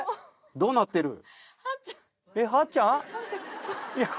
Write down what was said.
どうなってる？